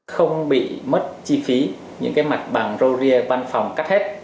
không bị mất chi phí những cái mặt bằng rô ria văn phòng cắt hết